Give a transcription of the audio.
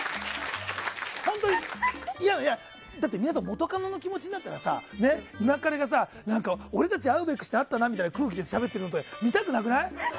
だって、皆さん元カノの気持ちになったら今カレが俺たち会うべくして会ったなみたいな空気でしゃべってるの見たくなくない？